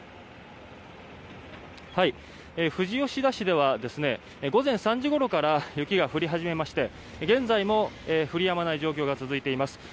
富士吉田市では午前３時ごろから雪が降り始めまして現在も降りやまない状況が続いています。